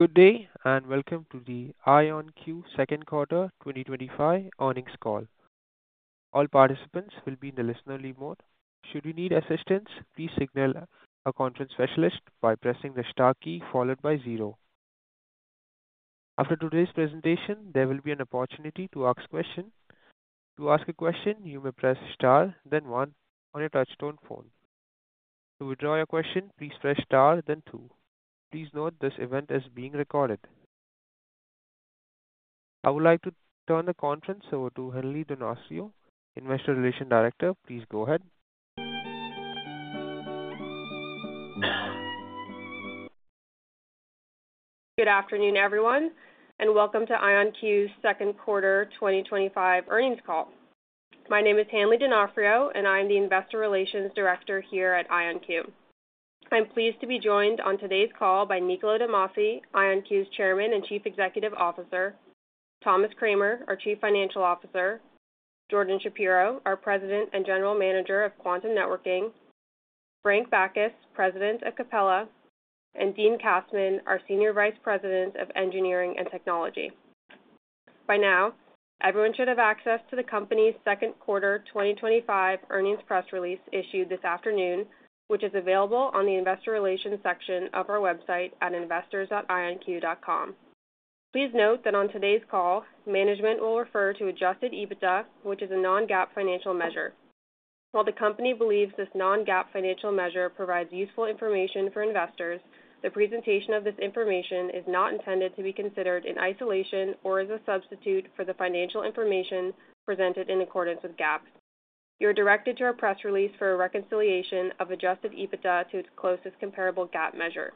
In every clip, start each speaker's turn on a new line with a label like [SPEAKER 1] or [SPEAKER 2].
[SPEAKER 1] Good day and welcome to the IonQ second quarter 2025 earnings call. All participants will be in the listen-only mode. Should you need assistance, please signal a conference specialist by pressing the star key followed by zero. After today's presentation, there will be an opportunity to ask questions. To ask a question, you may press star then one on your touchtone phone. To withdraw your question, please press star then two. Please note this event is being recorded. I would like to turn the conference over to Hanley D'Onofrio, Director. Please go ahead.
[SPEAKER 2] Good afternoon everyone and welcome to IonQ's second quarter 2025 earnings call. My name is Hanley D'Onofrio and I am the Investor Relations Director here at IonQ. I'm pleased to be joined on today's call by Niccolo de Masi, IonQ's Chairman and Chief Executive Officer, Thomas Kramer, our Chief Financial Officer, Jordan Shapiro, our President and General Manager of Quantum Networking, Frank Backes, President of Capella, and Dean Kassmann, our Senior Vice President of Engineering and Technology. By now everyone should have access to the company's second quarter 2025 earnings press release issued this afternoon, which is available on the Investor Relations section of our website at investors.ionq.com. Please note that on today's call management will refer to adjusted EBITDA, which is a non-GAAP financial measure. While the company believes this non-GAAP financial measure provides useful information for investors, the presentation of this information is not intended to be considered in isolation or as a substitute for the financial information presented in accordance with GAAP. You are directed to our press release for a reconciliation of adjusted EBITDA to its closest comparable GAAP measure.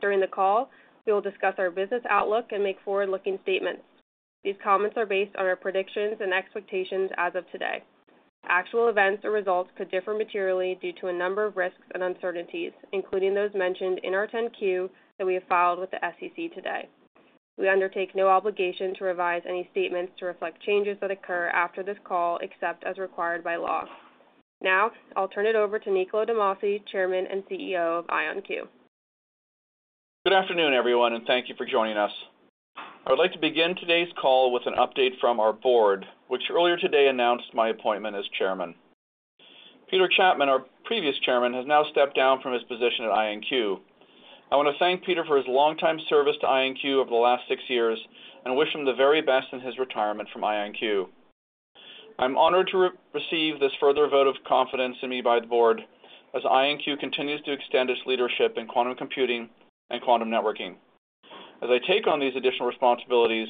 [SPEAKER 2] During the call we will discuss our business outlook and make forward-looking statements. These comments are based on our predictions and expectations as of today. Actual events or results could differ materially due to a number of risks and uncertainties, including those mentioned in our 10-Q that we have filed with the SEC today. We undertake no obligation to revise any statements to reflect changes that occur after this call, except as required by law. Now I'll turn it over to Niccolo de Masi, Chairman and CEO of IonQ.
[SPEAKER 3] Good afternoon everyone and thank you for joining us. I would like to begin today's call with an update from our board, which earlier today announced my appointment as Chairman. Peter Chapman, our previous Chairman, has now stepped down from his position at IonQ. I want to thank Peter for his longtime service to IonQ over the last six years and wish him the very best in his retirement from IonQ. I'm honored to receive this further vote of confidence in me by the board as IonQ continues to extend its leadership in quantum computing and quantum networking. As I take on these additional responsibilities,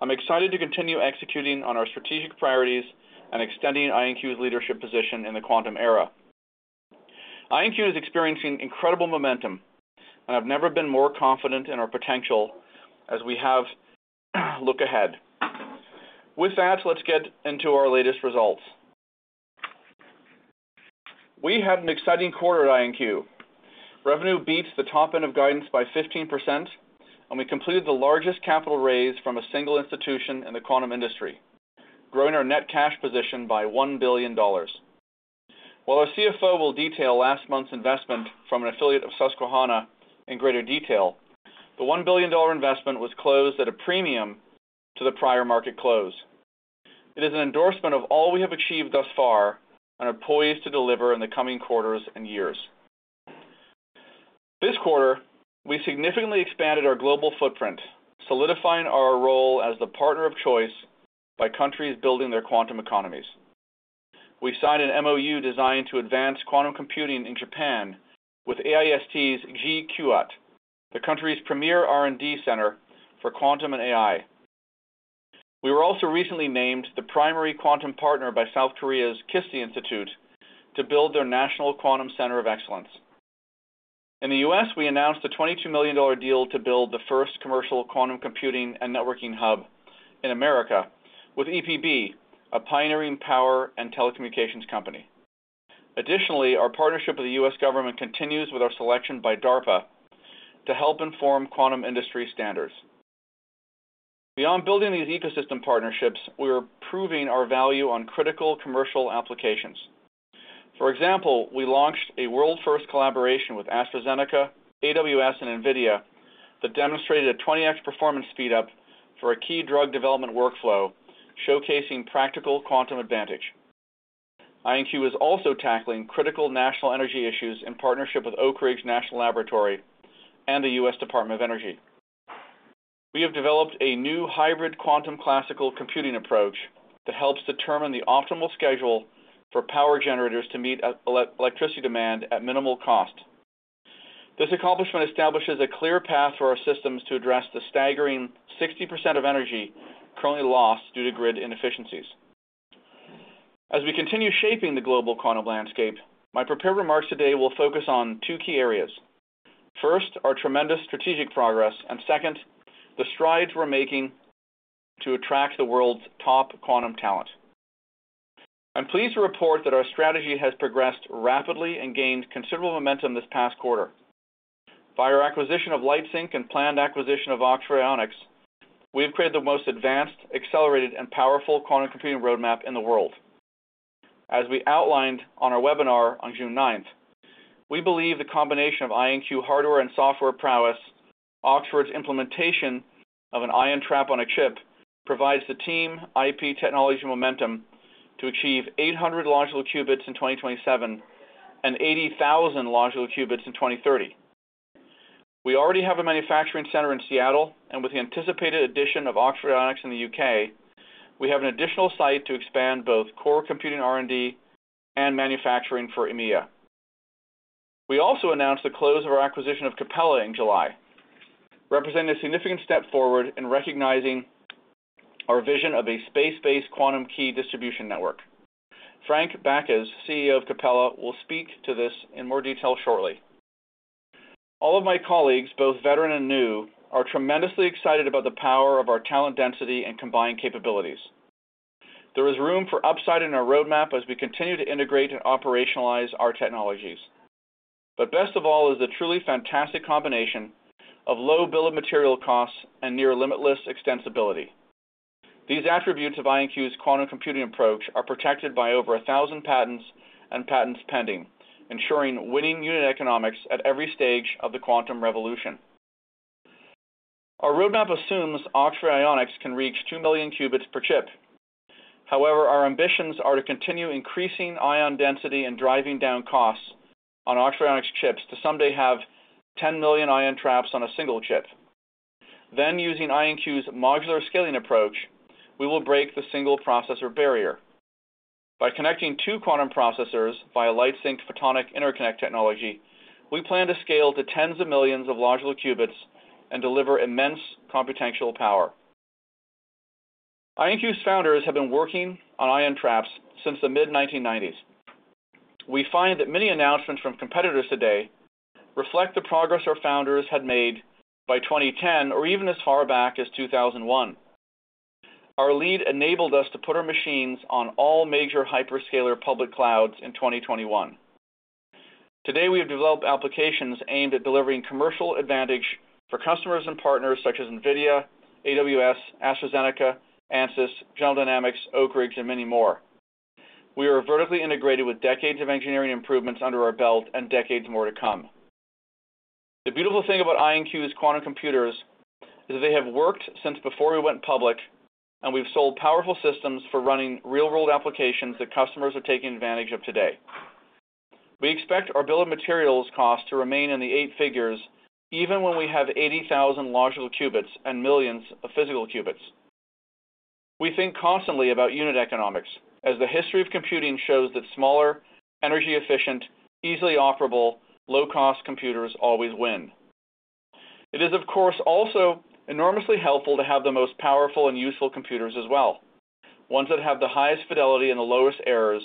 [SPEAKER 3] I'm excited to continue executing on our strategic priorities and extending IonQ's leadership position in the quantum era. IonQ is experiencing incredible momentum and I've never been more confident in our potential as we have. Look ahead with that, let's get into our latest results. We had an exciting quarter at IonQ. Revenue beats the top end of guidance by 15%, and we completed the largest capital raise from a single institution in the quantum industry, growing our net cash position by $1 billion. While our CFO will detail last month's investment from an affiliate of Susquehanna in greater detail, the $1 billion investment was closed at a premium to the prior market close. It is an endorsement of all we have achieved thus far and are poised to deliver in the coming quarters and years. This quarter we significantly expanded our global footprint, solidifying our role as the partner of choice by countries building their quantum economies. We signed an MOU designed to advance quantum computing in Japan with AIST GQAT, the country's premier R&D center for quantum and AI. We were also recently named the primary quantum partner by South Korea's KISTI Institute to build their national quantum center of excellence. In the U.S. we announced a $22 million deal to build the first commercial quantum computing and networking hub in America with the Electric Power Board of Tennessee, a pioneering power and telecommunications company. Additionally, our partnership with the U.S. Government continues with our selection by DARPA to help inform quantum industry standards. Beyond building these ecosystem partnerships, we are proving our value on critical commercial applications. For example, we launched a world first collaboration with AstraZeneca, AWS, and NVIDIA that demonstrated a 20x performance speed up for a key drug development workflow, showcasing practical quantum advantage. IonQ is also tackling critical national energy issues. In partnership with Oak Ridge National Laboratory and the U.S. Department of Energy, we have developed a new hybrid quantum-classical computing approach that helps determine the optimal schedule for power generators to meet electricity demand at minimal cost. This accomplishment establishes a clear path for our systems to address the staggering 60% of energy currently lost due to grid inefficiencies. As we continue shaping the global quantum landscape, my prepared remarks today will focus on two key areas. First, our tremendous strategic progress, and second, the strides we're making to attract the world's top quantum talent. I'm pleased to report that our strategy has progressed rapidly and gained considerable momentum this past quarter by our acquisition of LightSync and planned acquisition of Oxford Ionics. We've created the most advanced, accelerated, and powerful quantum computing roadmap in the world, as we outlined on our webinar on June 9th. We believe the combination of IonQ hardware and software prowess, Oxford's implementation of an ion trap on a chip, provides the team IP technology momentum to achieve 800 logical cubits in 2027 and 80,000 logical qubits in 2030. We already have a manufacturing center in Seattle, and with the anticipated addition of Oxford Ionics in the UK, we have an additional site to expand both core computing R&D and manufacturing for EMEA. We also announced the close of our acquisition of Capella in July, representing a significant step forward in recognizing our vision of a space-based quantum key distribution network. Frank Backes, CEO of Capella, will speak to this in more detail shortly. All of my colleagues, both veteran and new, are tremendously excited about the power of our talent density and combined capabilities. There is room for upside in our roadmap as we continue to integrate and operationalize our technologies, but best of all is the truly fantastic combination of low bill of material costs and near limitless extensibility. These attributes of IonQ's quantum computing approach are protected by over 1,000 patents and patents pending, ensuring winning unit economics at every stage of the quantum revolution. Our roadmap assumes Oxford Ionics can reach 2 million qubits per chip. However, our ambitions are to continue increasing ion density and driving down costs on Oxford Ionics chips to someday have 10 million ion traps on a single chip. Using IonQ's modular scaling approach, we will break the single processor barrier by connecting two quantum processors via LightSync photonic interconnect technology. We plan to scale to tens of millions of modular qubits and deliver immense computational power. IonQ's founders have been working on ion traps since the mid-1990s. We find that many announcements from competitors today reflect the progress our founders had made by 2010 or even as far back as 2001. Our lead enabled us to put our machines on all major hyperscaler public clouds in 2021. Today we have developed applications aimed at delivering commercial advantage for customers and partners such as Nvidia, AWS, AstraZeneca, Ansys, General Dynamics, Oak Ridge National Laboratory, and many more. We are vertically integrated with decades of engineering improvements under our belt and decades more to come. The beautiful thing about IonQ's quantum computers is that they have worked since before we went public and we've sold powerful systems for running real world applications that customers are taking advantage of today. We expect our bill of materials cost to remain in the eight figures even when we have 80,000 logical qubits and millions of physical qubits. We think constantly about unit economics as the history of computing shows that smaller, energy efficient, easily operable, low cost computers always win. It is of course also enormously helpful to have the most powerful and useful computers as well, ones that have the highest fidelity and the lowest errors,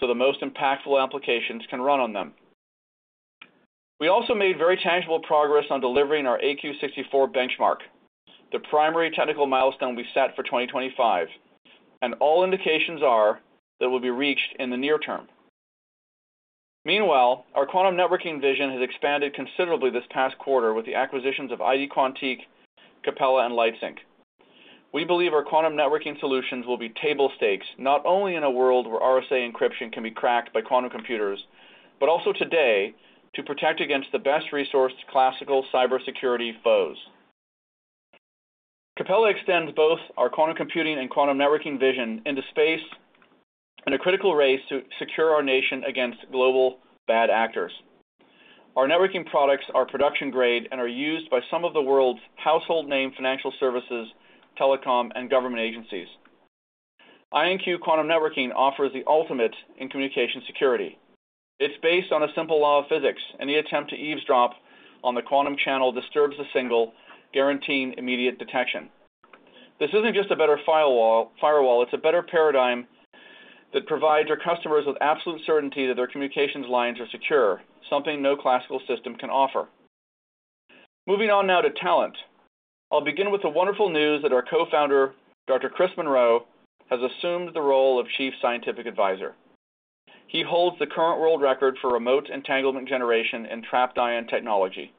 [SPEAKER 3] so the most impactful applications can run on them. We also made very tangible progress on delivering our AQ64 benchmark, the primary technical milestone we set for 2025, and all indications are that will be reached in the near term. Meanwhile, our quantum networking vision has expanded considerably this past quarter with the acquisitions of ID Quantique, Capella, and LightSync. We believe our quantum networking solutions will be table stakes not only in a world where RSA encryption can be cracked by quantum computers, but also today to protect against the best resourced classical cybersecurity foes. Capella extends both our quantum computing and quantum networking vision into space in a critical race to secure our nation against global bad actors. Our networking products are production grade and are used by some of the world's household name financial services, telecom, and government agencies. IonQ quantum networking offers the ultimate in communication security. It's based on a simple law of physics. Any attempt to eavesdrop on the quantum channel disturbs the signal, guaranteeing immediate detection. This isn't just a better firewall, it's a better paradigm that provides our customers with absolute certainty that their communications lines are secure, something no classical system can offer. Moving on now to talent, I'll begin with the wonderful news that our Co-Founder, Dr. Chris Monroe, has assumed the role of Chief Scientific Advisor. He holds the current world record for remote entanglement generation in trapped ion technology,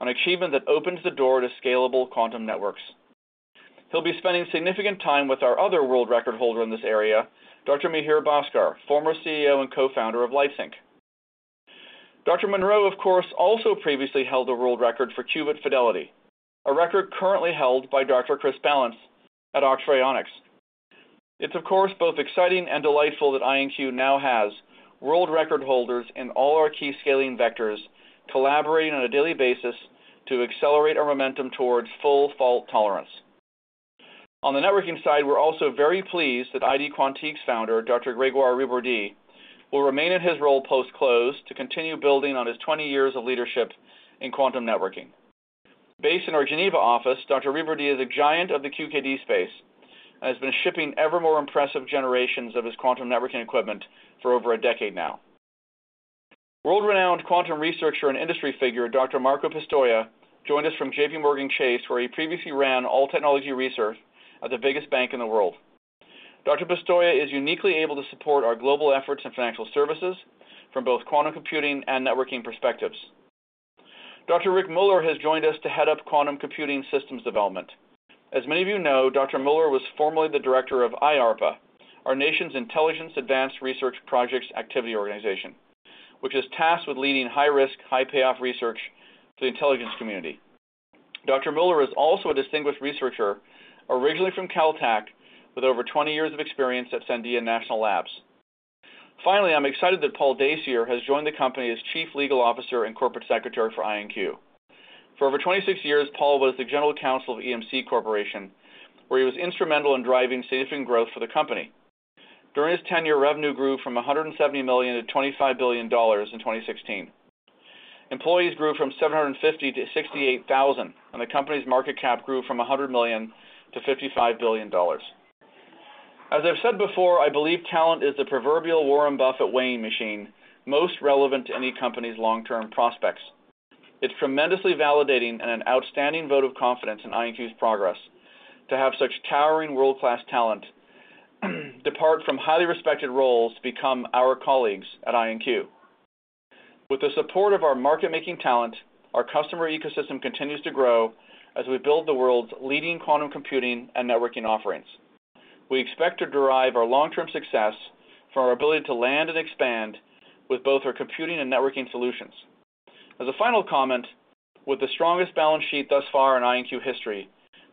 [SPEAKER 3] an achievement that opens the door to scalable quantum networks. He'll be spending significant time with our other world record holder in this area, Dr. Mihir Bhaskar, former CEO and Co-Founder of LightSync. Dr. Monroe, of course, also previously held a world record for qubit fidelity, a record currently held by Dr. Chris Ballance at Oxford Ionics. It's, of course, both exciting and delightful that IonQ now has world record holders in all our key scaling vectors collaborating on a daily basis to accelerate our momentum towards full fault tolerance. On the networking side, we're also very pleased that ID Quantique's founder, Dr. Grégoire Ribordy, will remain in his role post-close to continue building on his 20 years of leadership in quantum networking. Based in our Geneva office, Dr. Ribordy is a giant of the QKD space and has been shipping ever more impressive generations of his quantum networking equipment for over a decade now. World-renowned quantum researcher and industry figure Dr. Marco Pistoia joined us from JPMorgan Chase, where he previously ran all technology research at the biggest bank in the world. Dr. Pistoia is uniquely able to support our global efforts in financial services from both quantum computing and networking perspectives. Dr. Rick Muller has joined us to head up quantum computing systems development. As many of you know, Dr. Muller was formerly the Director of IARPA, our nation's Intelligence Advanced Research Projects Activity organization, which is tasked with leading high-risk, high-payoff research for the intelligence community. Dr. Muller is also a Distinguished Researcher originally from Caltech with over 20 years of experience at Sandia National Labs. Finally, I'm excited that Paul Dacier has joined the company as Chief Legal Officer and Corporate Secretary for IonQ. For over 26 years, Paul was the General Counsel of EMC Corporation, where he was instrumental in driving saving growth for the company. During his tenure, revenue grew from $170 million to $25 billion in 2016, employees grew from 750 to 68,000, and the company's market cap grew from $100 million to $55 billion. As I've said before, I believe talent is the proverbial Warren Buffett weighing machine most relevant to any company's long term prospects. It's tremendously validating and an outstanding vote of confidence in IonQ's progress to have such towering world class depart from highly respected roles to become our colleagues at IonQ. With the support of our market making talent, our customer ecosystem continues to grow as we build the world's leading quantum computing and networking offerings. We expect to derive our long term success from our ability to land and expand with both our computing and networking solutions. As a final comment, with the strongest balance sheet thus far in IonQ history,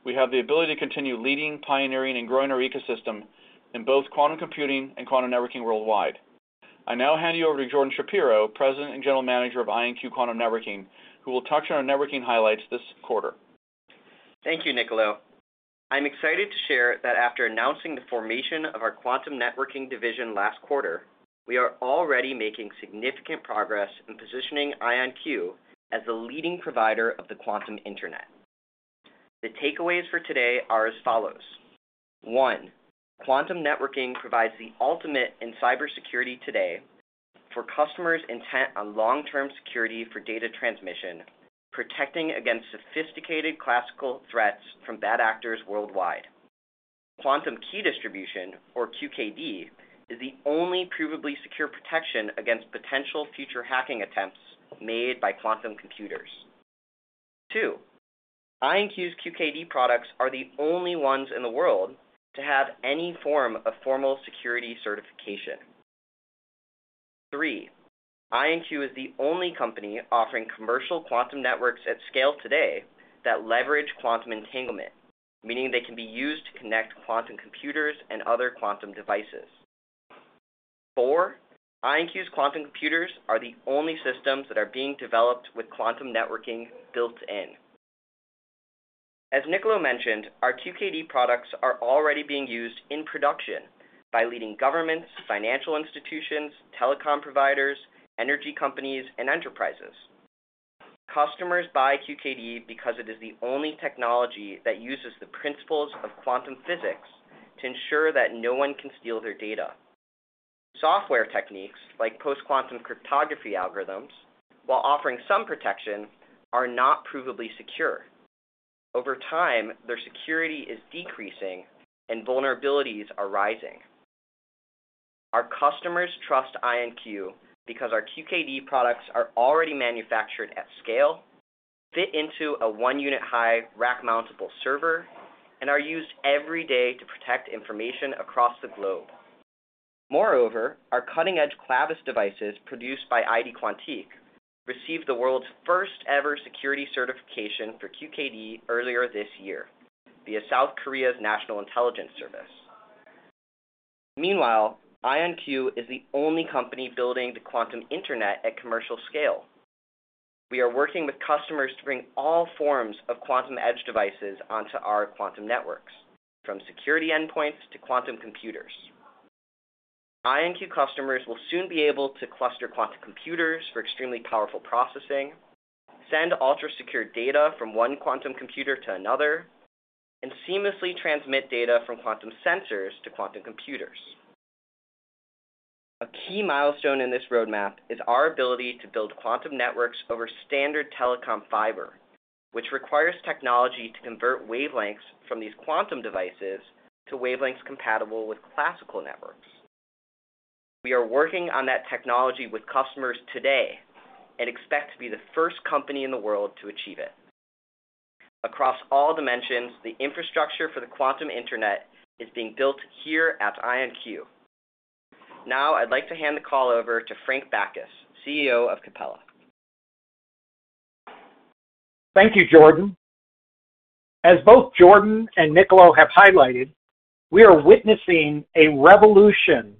[SPEAKER 3] we have the ability to continue leading, pioneering, and growing our ecosystem in both quantum computing and quantum networking worldwide. I now hand you over to Jordan Shapiro, President and General Manager of IonQ Quantum Networking, who will touch on our networking highlights this quarter.
[SPEAKER 4] Thank you, Niccolo. I'm excited to share that after announcing the formation of our Quantum Networking division last quarter, we are already making significant progress in positioning IonQ as the leading provider of the quantum internet. The takeaways for today are as follows. one, Quantum networking provides the ultimate in cybersecurity today for customers intent on long-term security for data transmission, protecting against sophisticated classical threats from bad actors worldwide. Quantum key distribution, or QKD, is the only provably secure protection against potential future hacking attempts made by quantum computers. Two, IonQ's QKD products are the only ones in the world to have any form of formal security certification. Three, IonQ is the only company offering commercial quantum networks at scale today that leverage quantum entanglement, meaning they can be used to connect quantum computers and other quantum devices. Four. IonQ's quantum computers are the only systems that are being developed with quantum networking built in. As Niccolo mentioned, our QKD products are already being used in production by leading governments, financial institutions, telecom providers, energy companies, and enterprises. Customers buy QKD because it is the only technology that uses the principles of quantum physics to ensure that no one can steal their data. Software techniques like post-quantum cryptography algorithms, while offering some protection, are not provably secure. Over time, their security is decreasing and vulnerabilities are rising. Our customers trust IonQ because our QKD products are already manufactured at scale, fit into a one-unit high rack-mountable server, and are used every day to protect information across the globe. Moreover, our cutting-edge Clavis devices produced by ID Quantique received the world's first ever security certification for QKD earlier this year via South Korea's National Intelligence Service. Meanwhile, IonQ is the only company building the quantum internet at commercial scale. We are working with customers to bring all forms of quantum edge devices onto our quantum networks, from security endpoints to quantum computers. IonQ customers will soon be able to cluster quantum computers for extremely powerful processing, send ultra-secure data from one quantum computer to another, and seamlessly transmit data from quantum sensors to quantum computers. A key milestone in this roadmap is our ability to build quantum networks over standard telecom fiber, which requires technology to convert wavelengths from these quantum devices to wavelengths compatible with classical networks. We are working on that technology with customers today and expect to be the first company in the world to achieve it across all dimensions. The infrastructure for the quantum internet is being built here at IonQ. Now I'd like to hand the call over to Frank Backes, CEO of Capella.
[SPEAKER 5] Thank you, Jordan. As both Jordan and Niccolo have highlighted, we are witnessing a revolution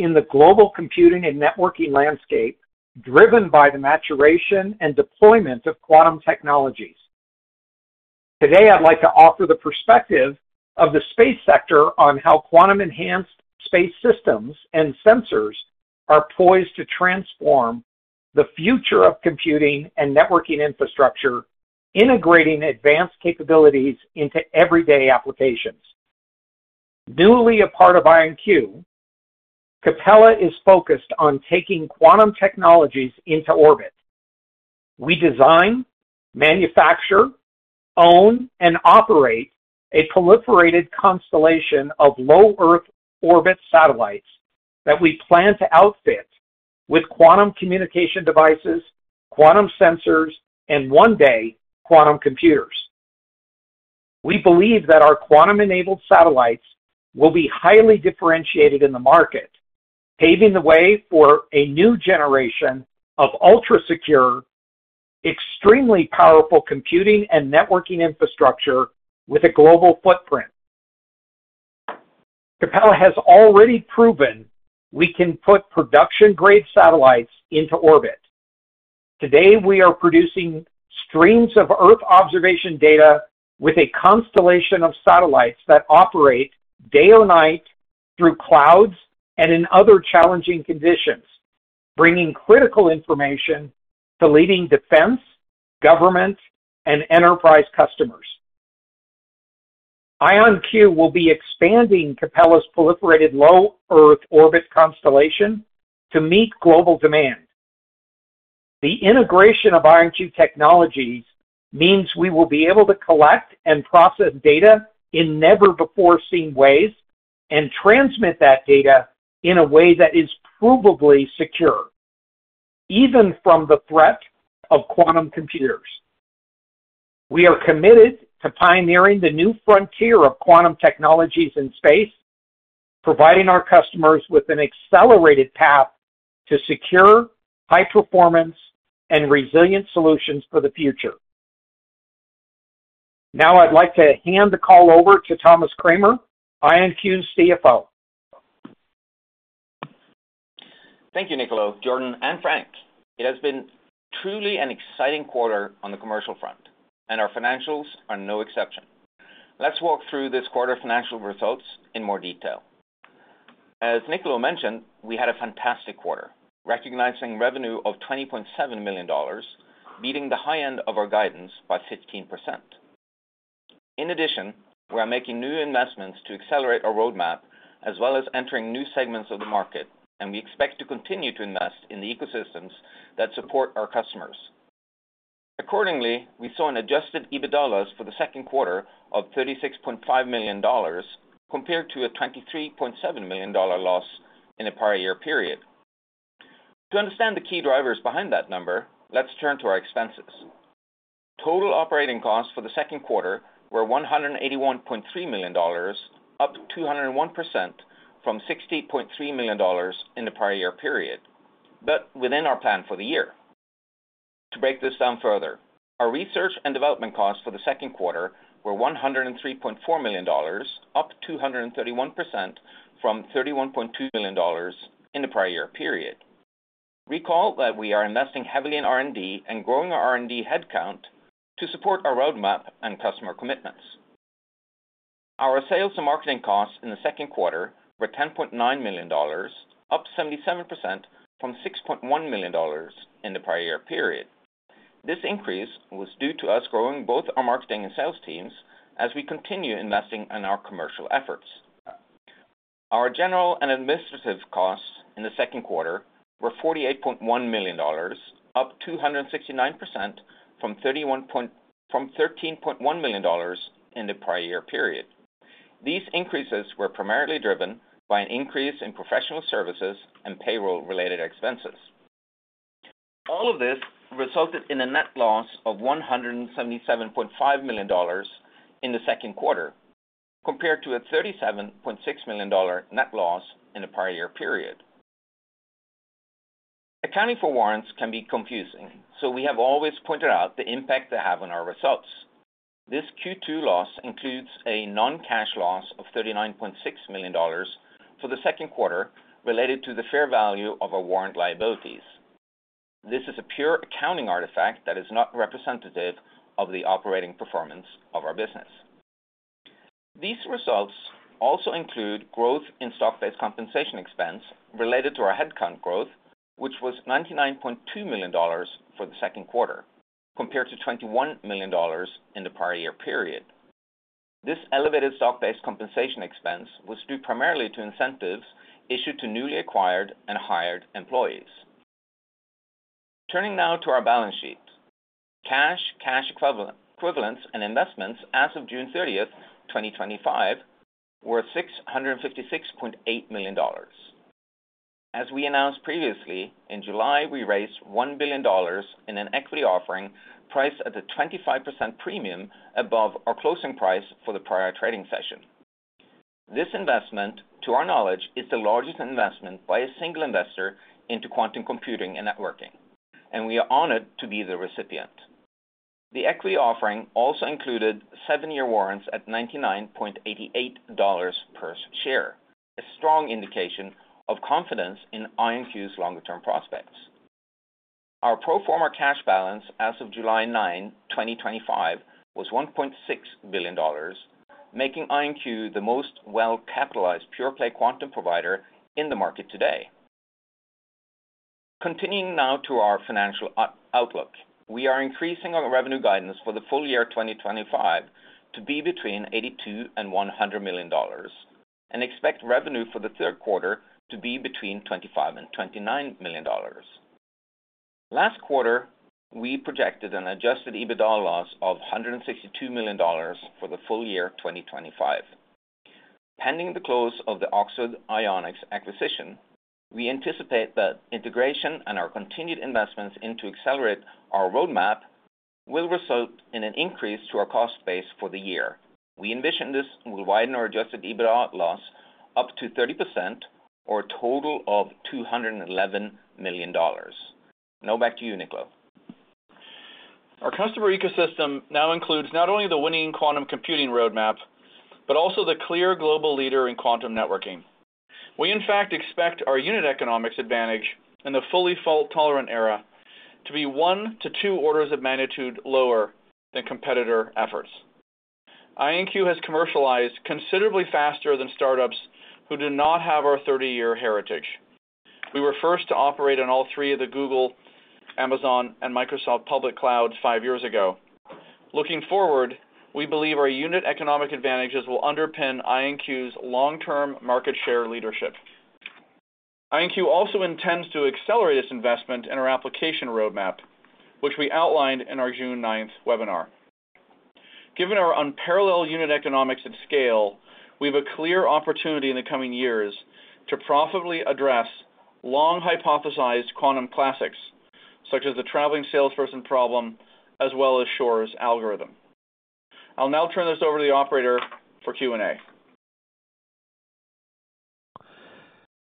[SPEAKER 5] in the global computing and networking landscape driven by the maturation and deployment of quantum technologies. Today I'd like to offer the perspective of the space sector on how quantum enhanced space systems and sensors are poised to transform the future of computing and networking infrastructure. Integrating advanced capabilities into everyday applications, newly a part of IonQ, Capella is focused on taking quantum technologies into orbit. We design, manufacture, own, and operate a proliferated constellation of low Earth orbit satellites that we plan to outfit with quantum communication devices, quantum sensors, and one day quantum computers. We believe that our quantum enabled satellites will be highly differentiated in the market, paving the way for a new generation of ultra secure, extremely powerful computing and networking infrastructure with a global footprint. Capella has already proven we can put production grade satellites into orbit. Today we are producing streams of Earth observation data with a constellation of satellites that operate day or night, through clouds, and in other challenging conditions, bringing critical information to leading defense, government, and enterprise customers. IonQ will be expanding Capella's proliferated low Earth orbit constellation to meet global demand. The integration of IonQ technology means we will be able to collect and process data in never before seen ways and transmit that data in a way that is provably secure even from the threat of quantum computers. We are committed to pioneering the new frontier of quantum technologies in space, providing our customers with an accelerated path to secure, high performance, and resilient solutions for the future. Now I'd like to hand the call over to Thomas Kramer, Chief Financial Officer.
[SPEAKER 6] Thank you, Niccolo, Jordan, and Frank. It has been truly an exciting quarter on the commercial front and our financials are no exception. Let's walk through this quarter financial results in more detail. As Niccolo mentioned, we had a fantastic quarter recognizing revenue of $20.7 million, beating the high end of our guidance by 15%. In addition, we are making new investments to accelerate our roadmap as well as entering new segments of the market and we expect to continue to invest in the ecosystems that support our customers. Accordingly, we saw an adjusted EBITDA loss for the second quarter of $36.5 million compared to a $23.7 million loss in a prior year period. To understand the key drivers behind that number, let's turn to our expenses. Total operating costs for the second quarter were $181.3 million, up 201% from $60.3 million in the prior year period, but within our plan for the year. To break this down further, our research and development costs for the second quarter were $103.4 million, up 231% from $31.2 million in the prior year period. Recall that we are investing heavily in R&D and growing our R&D headcount to support our roadmap and customer commitments. Our sales and marketing costs in the second quarter were $10.9 million, up 77% from $6.1 million in the prior year period. This increase was due to us growing both our marketing and sales teams as we continue investing in our commercial efforts. Our general and administrative costs in the second quarter were $48.1 million, up 269% from $13.1 million in the prior year period. These increases were primarily driven by an increase in professional services and payroll related expenses. All of this resulted in a net loss of $177.5 million in the second quarter compared to a $37.6 million net loss in the prior year period. Accounting for warrants can be confusing, so we have always pointed out the impact they have on our results. This Q2 loss includes a non-cash loss of $39.6 million for the second quarter related to the fair value of our warrant liabilities. This is a pure accounting artifact that is not representative of the operating performance of our business. These results also include growth in stock-based compensation expense related to our headcount growth which was $99.2 million for the second quarter compared to $21 million in the prior year period. This elevated stock-based compensation expense was due primarily to incentives issued to newly acquired and hired employees. Turning now to our balance sheet, cash, cash equivalents, and investments as of June 30th, 2025, were $656.8 million. As we announced previously, in July we raised $1 billion in an equity offering priced at a 25% premium above our closing price for the prior trading session. This investment, to our knowledge, is the largest investment by a single investor into quantum computing and networking, and we are honored to be the recipient. The equity offering also included seven-year warrants at $99.88 per share, a strong indication of confidence in IonQ's longer-term prospects. Our pro forma cash balance as of July 9, 2025, was $1.6 billion, making IonQ the most well-capitalized pure-play quantum provider in the market today. Continuing now to our financial outlook, we are increasing our revenue guidance for the full year 2025 to be between $82 million and $100 million and expect revenue for the third quarter to be between $25 million and $29 million. Last quarter, we projected an adjusted EBITDA loss of $162 million for the full year 2025 pending the close of the Oxford Ionics acquisition. We anticipate that integration and our continued investments to accelerate our roadmap will result in an increase to our cost base for the year we envision. This will widen our adjusted EBITDA loss up to 30%, or a total of $211 million. Now back to you, Niccolo.
[SPEAKER 3] Our customer ecosystem now includes not only the winning quantum computing roadmap, but also the clear global leader in quantum networking. We in fact expect our unit economics advantage in the fully fault tolerant era to be one to two orders of magnitude lower than competitor efforts. IonQ has commercialized considerably faster than startups who do not have our 30 year heritage. We were first to operate on all three of the Google, Amazon, and Microsoft public clouds five years ago. Looking forward, we believe our unit economic advantages will underpin IonQ's long term market share leadership. IonQ also intends to accelerate its investment in our application roadmap, which we outlined in our June 9thh webinar. Given our unparalleled unit economics at scale, we have a clear opportunity in the coming years to profitably address long hypothesized quantum classics such as the Traveling Salesperson problem as well as Shor's algorithm. I'll now turn this over to the operator for Q&A.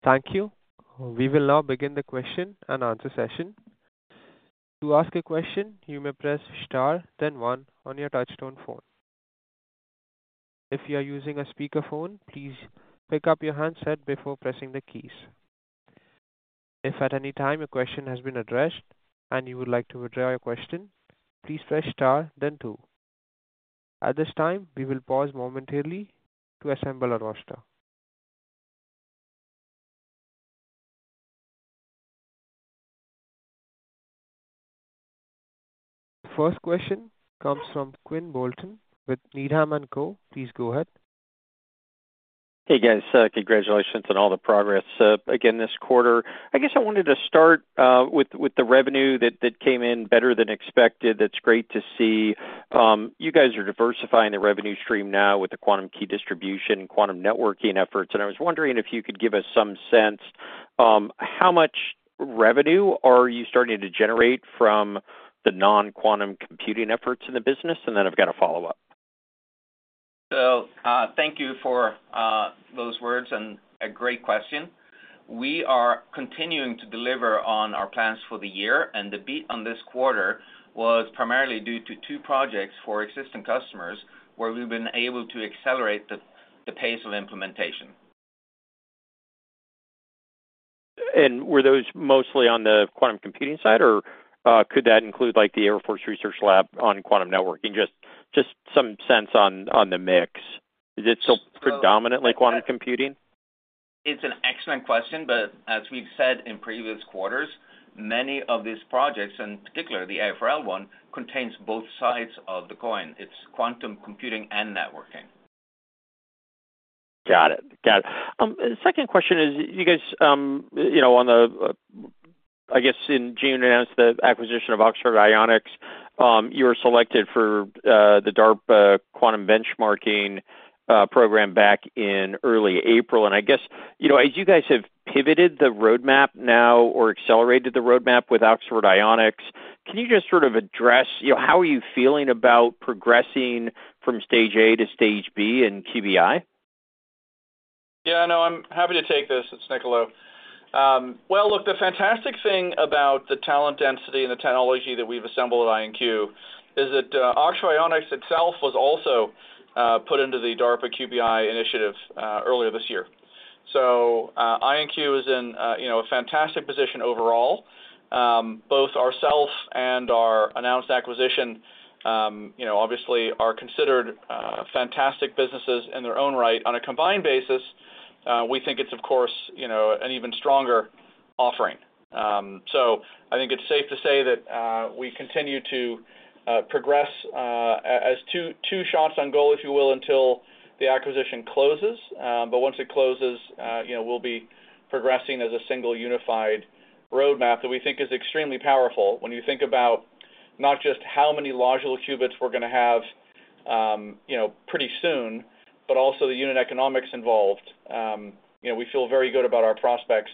[SPEAKER 1] Thank you. We will now begin the question and answer session. To ask a question, you may press star then one on your touchtone phone. If you are using a speakerphone, please pick up your handset before pressing the keys. If at any time a question has been addressed and you would like to withdraw your question, please press star then two. At this time, we will pause momentarily to assemble a roster. The first question comes from Quinn Bolton with Needham and Company. Please go ahead.
[SPEAKER 7] Hey guys, congratulations on all the progress again this quarter. I guess I wanted to start with the revenue that came in better than expected. That's great to see you guys are diversifying the revenue stream now with the quantum key distribution, quantum networking efforts, and I was wondering if you could give us some sense. How much revenue are you starting to generate from the non-quantum computing efforts in the business? I've got a follow up.
[SPEAKER 6] Thank you for those words and a great question. We are continuing to deliver on our plans for the year, and the beat on this quarter was primarily due to two projects for existing customers where we've been able to accelerate the pace of implementation.
[SPEAKER 7] Were those mostly on the quantum computing side, or could that include like the Air Force Research Lab on quantum networking? Just some sense on the mix. Is it still predominantly quantum computing?
[SPEAKER 6] It's an excellent question, but as we've said in previous quarters, many of these projects, in particular the AFRL one, contain both sides of the coin. It's quantum computing and networking.
[SPEAKER 7] Got it, got it. The second question is, you guys, you know, in June, announced the acquisition of Oxford Ionics. You were selected for the DARPA quantum benchmarking program back in early April. As you guys have pivoted the roadmap now or accelerated the roadmap with Oxford Ionics, can you just sort of address how are you feeling about progressing from stage A to stage B in QBI?
[SPEAKER 3] Yeah, I'm happy to take this. It's Niccolo. The fantastic thing about the talent density and the technology that we've assembled at IonQ is that Oxford Ionics itself was also put into the DARPA QBI initiative earlier this year. IonQ is in a fantastic position overall. Both ourselves and our announced acquisition obviously are considered fantastic businesses in their own right. On a combined basis, we think it's, of course, an even stronger offering. I think it's safe to say that we continue to progress as two shots on goal, if you will, until the acquisition closes. Once it closes, we'll be progressing as a single unified roadmap that we think is extremely powerful. When you think about not just how many logical qubits we're going to have pretty soon, but also the unit economics involved, we feel very good about our prospects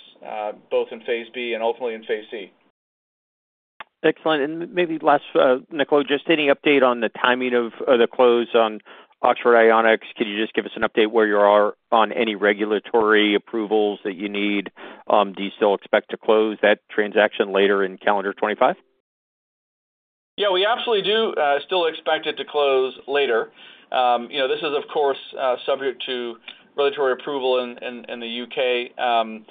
[SPEAKER 3] both in phase B and ultimately in phase C.
[SPEAKER 7] Excellent. Maybe last, Niccolo, just any update on the timing of the close on Oxford Ionics? Can you just give us an update where you are on any regulatory approvals that you need? Do you still expect to close that transaction later in calendar 2025?
[SPEAKER 3] Yeah, we absolutely do still expect it to close later. This is of course subject to regulatory approval in the UK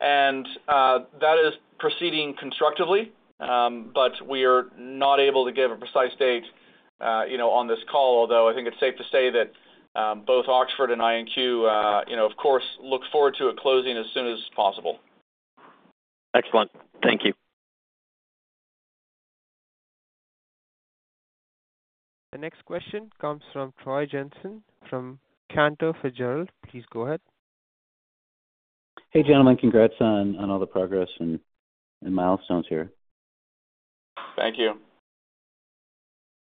[SPEAKER 3] and that is proceeding constructively, but we are not able to give a precise date on this call. I think it's safe to say that both Oxford and IonQ, of course, look forward to it closing as soon as possible.
[SPEAKER 7] Excellent, thank you.
[SPEAKER 1] The next question comes from Troy Jensen from Cantor Fitzgerald. Please, go ahead.
[SPEAKER 8] Hey, gentlemen, congrats on all the progress and milestones here.
[SPEAKER 3] Thank you.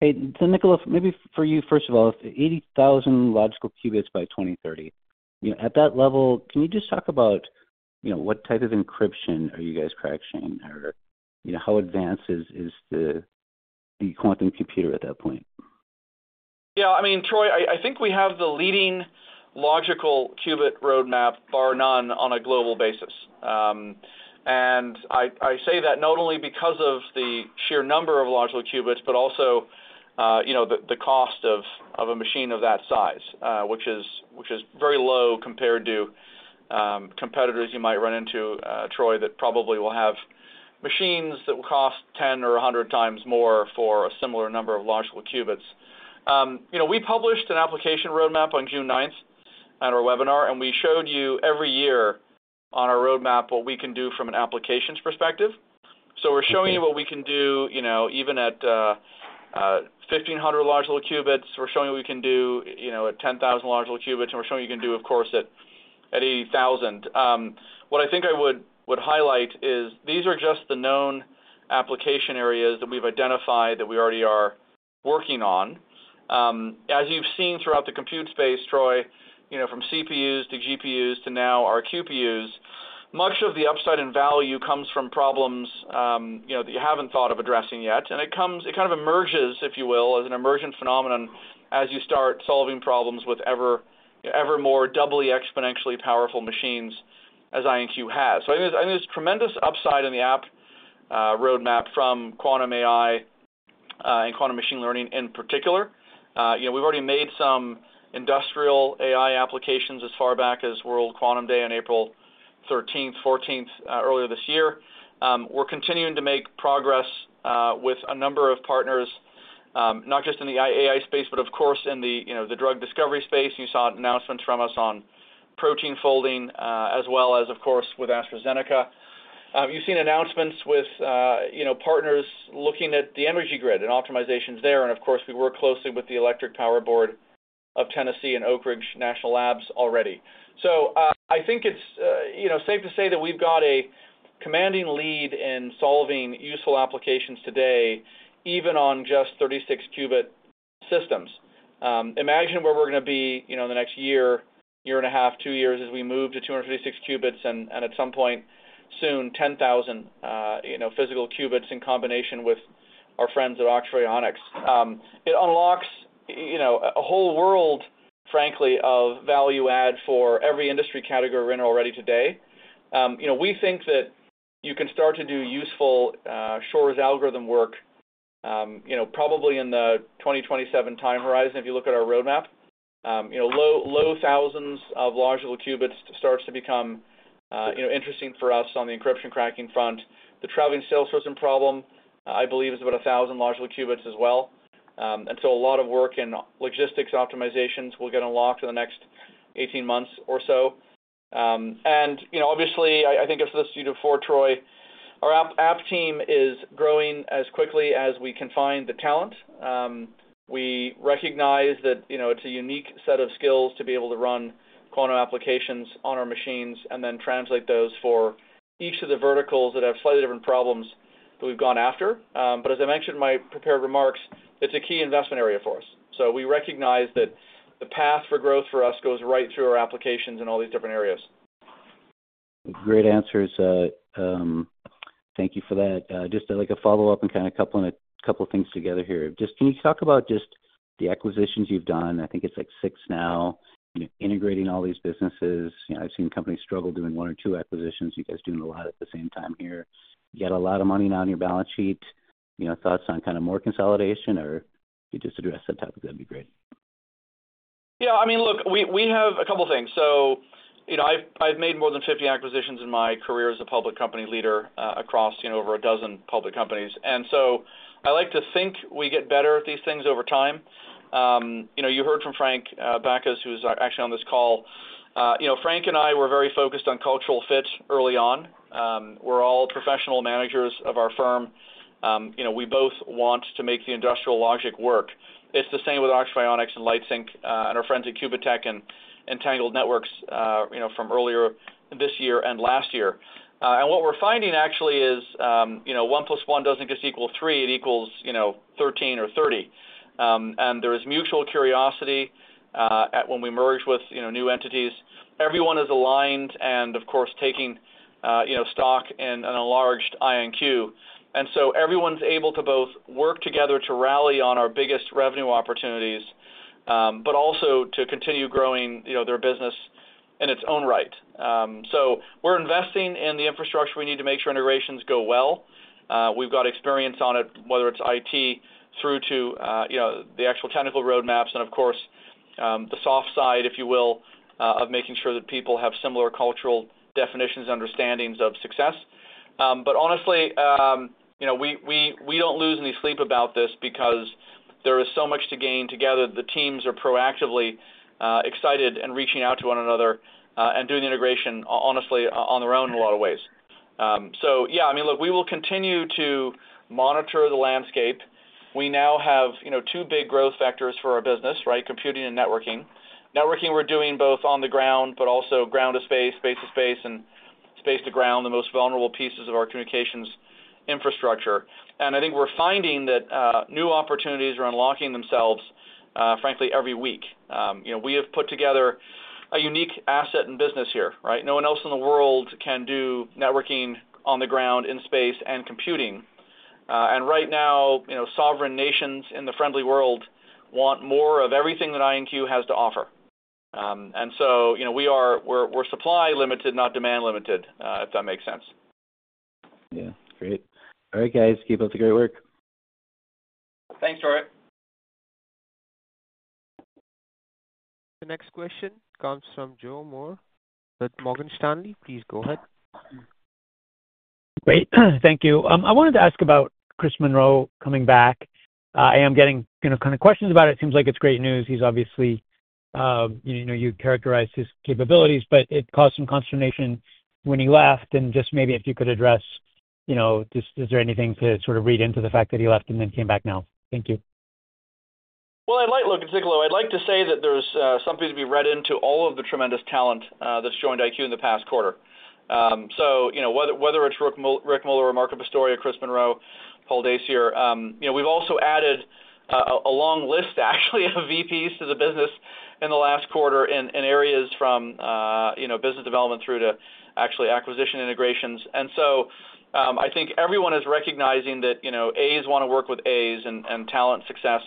[SPEAKER 8] Hey, so Niccolo, maybe for you, first. of all, 80,000 logical qubits by 2030. You know, at that level, can you just talk about, you know, what type of encryption are you guys crashing or, you know, how advanced is the quantum computer at that point?
[SPEAKER 3] Yeah, I mean, Troy, I think we have the leading logical qubit roadmap, bar none on a global basis. I say that not only because of the sheer number of logical qubits, but also, you know, the cost of a machine of that size, which is very low compared to competitors. You might run into, Troy, that probably will have machines that will cost 10 or 100 times more for a similar number of logical qubits. You know we published an application roadmap on June 9th at our webinar, and we showed you every year on our roadmap what we can do from an applications perspective. We're showing you what we can do, you know, even at 1,500 logical qubits, we're showing we can do, you know, at 10,000 logical qubits, and we're showing you can do, of course, at 80,000. What I think I would highlight is these are just the known application areas that we've identified that we already are working on. As you've seen throughout the compute space, Troy, from CPUs to GPUs to now our QPUs, much of the upside in value comes from problems that you haven't thought of addressing yet. It kind of emerges, if you will, as an emergent phenomenon as you start solving problems with ever more doubly exponentially powerful machines as IonQ has. There is tremendous upside in the app roadmap from quantum AI and quantum machine learning in particular. We've already made some industrial AI applications as far back as World Quantum Day on April 13, 14 earlier this year. We're continuing to make progress with a number of partners, not just in the AI space, but of course in the drug discovery space. You saw announcements from us on protein folding as well as, of course, with AstraZeneca. You've seen announcements with partners looking at the energy grid and optimizations there. We work closely with the Electric Power Board of Tennessee and Oak Ridge National Laboratory already. I think it's safe to say that we've got a commanding lead in solving useful applications today, even on just 36 qubit systems. Imagine where we're going to be, you know, the next year, year and a half, two years as we move to 256 qubits and at some point soon, 10,000 physical qubits in combination with our friends at Oxford Ionics. It unlocks a whole world, frankly, of value add for every industry category we're in already today. We think that you can start to do useful Shor's algorithm work probably in the 2027 time horizon. If you look at our roadmap, low, low thousands of logical qubits starts to become interesting for us on the encryption cracking front. The traveling salesman problem, I believe, is about a thousand logical qubits as well. A lot of work in logistics optimizations will get unlocked in the next 18 months or so. Obviously, I think if this due to Fortroy, our app team is growing as quickly as we can find the talent. We recognize that it's a unique set of skills to be able to run quantum applications on our machines and then translate those for each of the verticals that have slightly different problems that we've gone after. As I mentioned in my prepared remarks, it's a key investment area for us. We recognize that the path for growth for us goes right through our applications in all these different areas.
[SPEAKER 8] Great answers. Thank you for that. Just like a follow up and kind of coupling a couple of things together here. Can you talk about just the acquisitions you've done? I think it's like six now, integrating all these businesses. I've seen companies struggle doing one or two acquisitions. You guys doing a lot at the same time here. You got a lot of money now on your balance sheet. You know, thoughts on kind of more consolidation or you just address that topic? That'd be great.
[SPEAKER 3] Yeah, I mean, look, we have a couple things. I've made more than 50 acquisitions in my career as a public company leader across, you know, over a dozen public companies. I like to think we get better at these things over time. You know, you heard from Frank Backes who's actually on this call. Frank and I were very focused on cultural fit early on. We're all professional managers of our firm. We both want to make the industrial logic work. It's the same with Oxford Ionics and LightSync and our friends at CubiQ and Entangled Networks from earlier this year and last year. What we're finding actually is one plus one doesn't just equal three, it equals 13 or 30. There is mutual curiosity when we merge with new entities. Everyone is aligned and of course taking stock in a large IonQ, and so everyone's able to both work together to rally on our biggest revenue opportunities, but also to continue growing their business in its own right. We're investing in the infrastructure we need to make sure integrations go well. We've got experience on it, whether it's through to the actual technical roadmaps and of course, the soft side, if you will, of making sure that people have similar cultural definitions, understandings of success. Honestly, we don't lose any sleep about this because there is so much to gain together. The teams are proactively excited and reaching out to one another and doing integration honestly on their own in a lot of ways. Yeah, I mean, look, we will continue to monitor the landscape. We now have two big growth factors for our business, right? Computing and networking. Networking, we're doing both on the ground, but also ground to space, space to space, and space to ground, the most vulnerable pieces of our communications infrastructure. I think we're finding that new opportunities are unlocking themselves, frankly, every week. We have put together a unique asset and business here. No one else in the world can do networking on the ground in space and computing. Right now, sovereign nations in the friendly world want more of everything that IonQ has to offer. We are, we're supply limited, not demand limited, if that makes sense.
[SPEAKER 8] Yeah. Great. All right, guys, keep up the great work.
[SPEAKER 3] Thanks, Troy.
[SPEAKER 1] The next question comes from Joe Moore with Morgan Stanley. Please go ahead.
[SPEAKER 9] Great, thank you. I wanted to ask about Chris Monroe coming back. I am getting questions about it. It seems like it's great news. He's obviously, you know, you characterized his. Capabilities, but it caused some consternation when he left. Is there anything to sort of read into the fact that he left and then came back now? Thank you.
[SPEAKER 3] I'd like to say that there's something to be read into all of the tremendous talent that's joined IonQ in the past quarter. So whether it's Rick Muller or Marco Pistoia, Chris Monroe, Paul Dacier. We've also added a long list actually of VPs to the business in the last quarter in areas from business development through to acquisition integrations. And so I think everyone is recognizing that A's want to work with A's, and talent success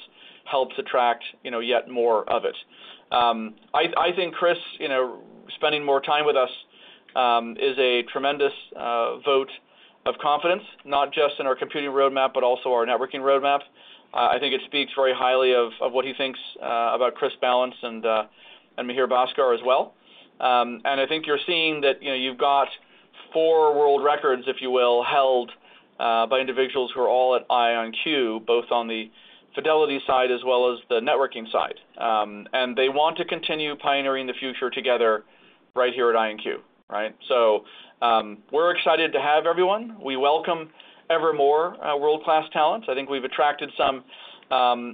[SPEAKER 3] helps attract yet more of it. I think Chris spending more time with us is a tremendous vote of confidence, not just in our computing roadmap, but also our networking roadmap. I think it speaks very highly of what he thinks about Jordan Shapiro and Mihir Bhaskar as well. I think you're seeing that you've got four world records, if you will, held by individuals who are all at IonQ, both on the fidelity side as well as the networking side. They want to continue pioneering the future together right here at IonQ. We're excited to have everyone, we welcome ever more world class talents. I think we've attracted some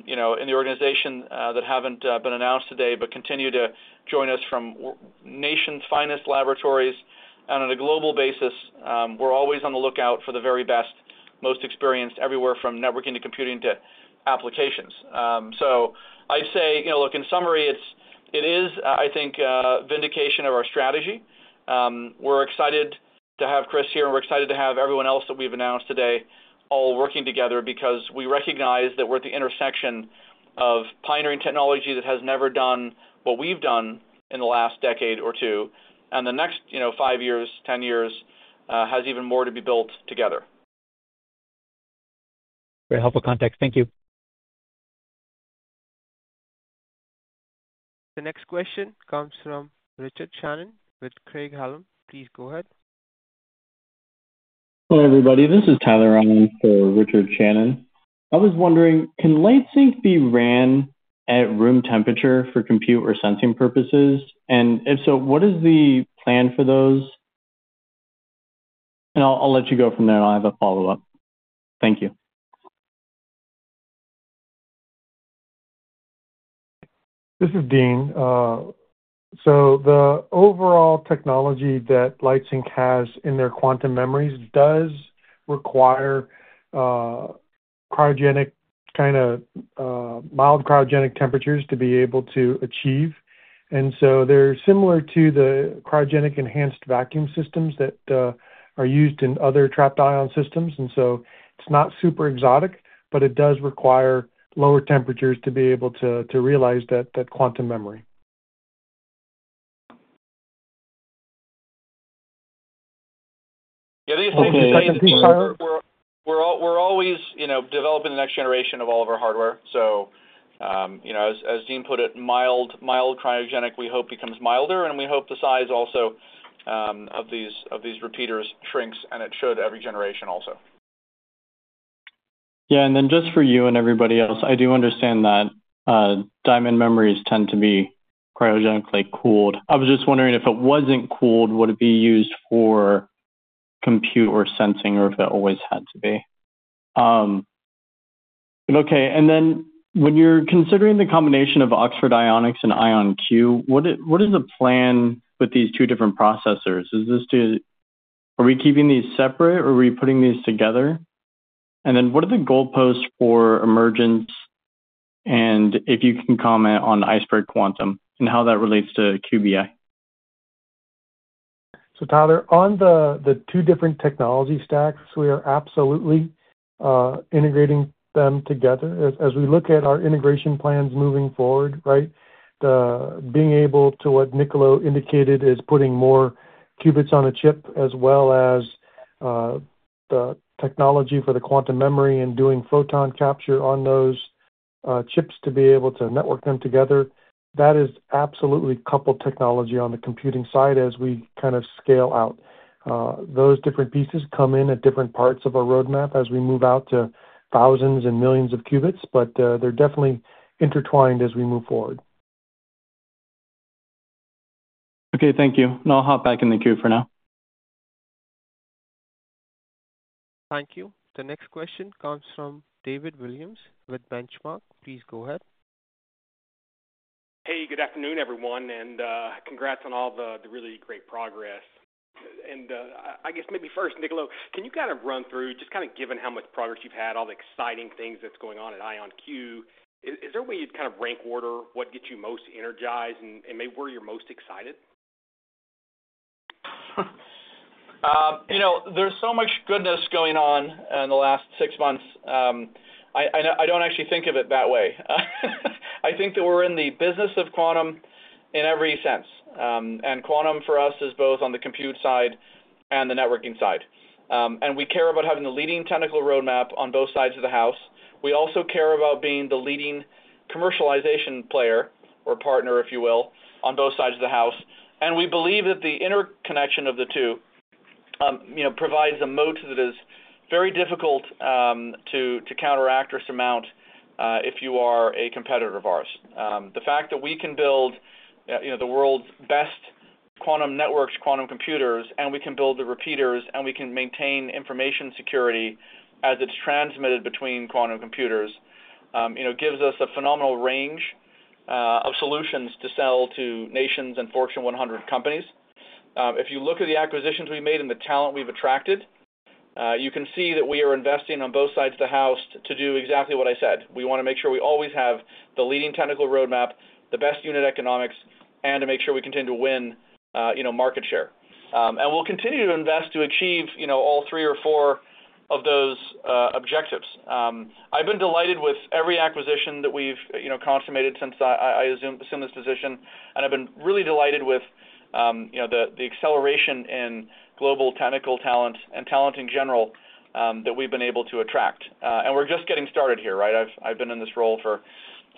[SPEAKER 3] in the organization that haven't been announced today, but continue to join us from nation's finest laboratories and on a global basis. We're always on the lookout for the very best, most experienced everywhere from networking to computing to applications. I'd say in summary, it is, I think, vindication of our strategy. We're excited to have Chris here and we're excited to have everyone else that we've announced today, all working together because we recognize that we're at the intersection of pioneering technology that has never done what we've done in the last decade or two and the next five years, 10 years, has even more to be built together.
[SPEAKER 9] Very helpful context.
[SPEAKER 3] Thank you.
[SPEAKER 1] The next question comes from Richard Shannon with Craig-Hallum. Please go ahead.
[SPEAKER 10] Hello everybody, this is Tyler Anderson for Richard Shannon. I was wondering, can LightSync be ran at room temperature for compute or sensing purposes? If so, what is the plan for those?
[SPEAKER 3] I'll let you go from there and I'll have a follow up. Thank you.
[SPEAKER 11] This is Dean. The overall technology that LightSync has in their quantum memories does require kind of mild cryogenic temperatures to be able to achieve. They're similar to the cryogenic enhanced vacuum systems that are used in other trapped ion systems. It's not super exotic, but it does require lower temperatures to be able to realize that quantum memory.
[SPEAKER 3] We're always developing the next generation of all of our hardware. As Dean put it, mild, mild cryogenic, we hope, becomes milder and we hope the size also of these repeaters shrinks. It should every generation also.
[SPEAKER 10] Just for you and everybody else, I do understand that diamond memories tend to be cryogenically cooled. I was just wondering, if it wasn't cooled, would it be used for compute or sensing or if it always had to be. Okay. When you're considering the combination of Oxford Ionics and IonQ, what is the plan with these two different processors? Is this to, are we keeping these separate or are we putting these together? What are the goalposts for emergence? If you can comment on iceberg quantum and how that relates to QBI.
[SPEAKER 11] Tyler, on the two different technology stacks, we are absolutely integrating them together as we look at our integration plans moving forward. Right, being able to. What Niccolo indicated is putting more qubits on a chip, as well as the technology for the quantum memory and doing photon capture on those chips to be able to network them together. That is absolutely coupled technology on the computing side, as we kind of scale out, those different pieces come in at different parts of our roadmap as we move out to thousands and millions of qubits. They're definitely intertwined as we move forward.
[SPEAKER 10] Okay, thank you. I'll hop back in the queue for now.
[SPEAKER 1] Thank you. The next question comes from David Williams with Benchmark. Please go ahead.
[SPEAKER 12] Hey, good afternoon, everyone. Congrats on all the really great progress. I guess maybe first, Niccolo, can you kind of run through, given how much progress you've had, all the exciting things going on at IonQ, is there a way you'd kind of rank order what gets you most energized and maybe where you're most excited?
[SPEAKER 3] There's so much goodness going on in the last six months. I don't actually think of it that way. I think that we're in the business of quantum in every sense. Quantum for us is both on the compute side and the networking side. We care about having the leading technical roadmap on both sides of the house. We also care about being the leading commercialization player or partner, if you will, on both sides of the house. We believe that the interconnection of the two provides a moat that is very difficult to counteract or surmount if you are a competitor of ours. The fact that we can build the world's best quantum networks, quantum computers, and we can build the repeaters, and we can maintain information security as it's transmitted between quantum computers gives us a phenomenal range of solutions to sell to nations and Fortune 100 companies. If you look at the acquisitions we made and the talent we've attracted, you can see that we are investing on both sides of the house to do exactly what I said. We want to make sure we always have the leading technical roadmap, the best unit economics, and to make sure we continue to win market share and we'll continue to invest to achieve all three or four of those objectives. I've been delighted with every acquisition that we've consummated since I assumed this position, and I've been really delighted with the acceleration in global technical talent and talent in general that we've been able to attract. We're just getting started here, right. I've been in this role for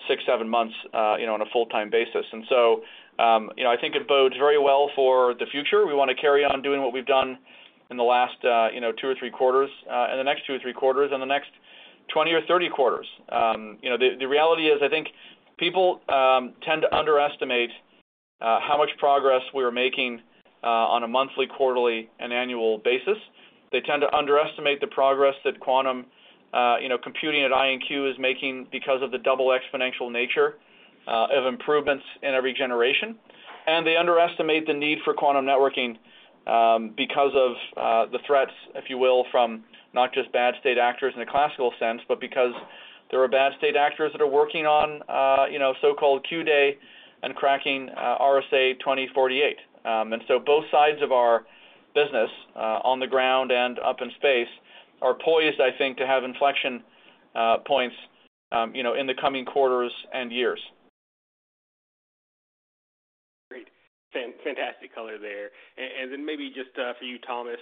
[SPEAKER 3] six, seven months on a full-time basis. I think it bodes very well for the future. We want to carry on doing what we've done in the last two or three quarters and the next two or three quarters and the next 20 or 30 quarters. The reality is, I think people tend to underestimate how much progress we are making on a monthly, quarterly, and annual basis. They tend to underestimate the progress that quantum computing at IonQ is making because of the double exponential nature of improvements in every generation. And they underestimate the need for quantum networking because of the threats, if you will, from not just bad state actors in a classical sense, but because there are bad state actors that are working on, you know, so-called Q day and cracking RSA 2048. Both sides of our business on the ground and up in space are poised, I think, to have inflection points in the coming quarters and years.
[SPEAKER 12] Great. Fantastic color there. Maybe just for you, Thomas,